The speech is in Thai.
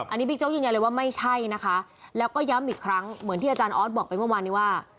อันนี้บิ๊กโจ๊กยืนยันเลยว่าไม่ใช่นะคะแล้วก็ย้ำอีกครั้งเหมือนที่อาจารย์ออสบอกไปเมื่อวานนี้ว่า